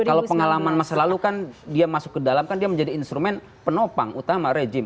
kalau pengalaman masa lalu kan dia masuk ke dalam kan dia menjadi instrumen penopang utama rejim